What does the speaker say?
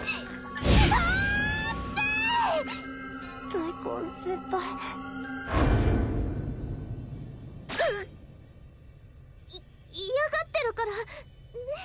大根先輩うっいっ嫌がってるからねっ？